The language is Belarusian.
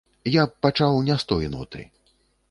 Я б пачаў не з той ноты.